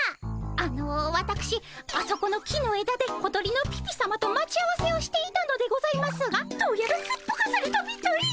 あのわたくしあそこの木のえだで小鳥のピピさまと待ち合わせをしていたのでございますがどうやらすっぽかされたみたいで。